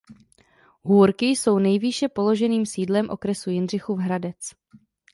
Hůrky jsou nejvýše položeným sídlem okresu Jindřichův Hradec.